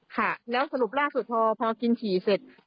ค่ะแล้วสรุปล่าสุดพอกินฉี่เสร็จ